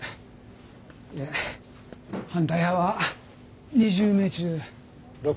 で反対派は２０名中６人で。